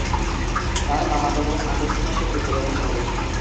তার মামাতো বোন আগস্ট মাসে মৃত্যুবরণ করে।